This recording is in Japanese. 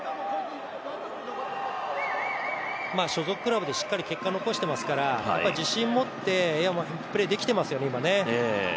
所属クラブでしっかり結果残してますから自信持ってプレーできてますよね。